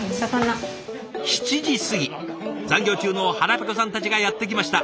７時過ぎ残業中の腹ぺこさんたちがやって来ました。